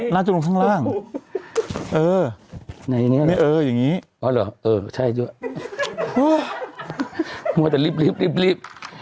น่าจะลงข้างล่างเออในนี้เอออย่างงี้อ๋อเหรอเออใช่ด้วยว่าแต่รีบรีบรีบรีบ